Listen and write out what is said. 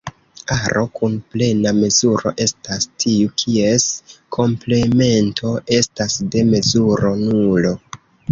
Aro kun plena mezuro estas tiu kies komplemento estas de mezuro nulo.